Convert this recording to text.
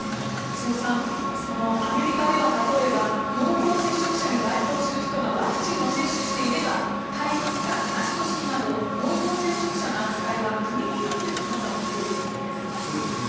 瀬尾さん、アメリカでは例えば濃厚接触者に該当する人がワクチンを接種していれば待機期間なしとするなど濃厚接触者の扱いは国によって様々ということです。